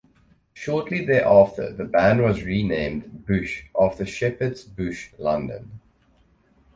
Shortly thereafter the band was renamed Bush after Shepherd's Bush, London.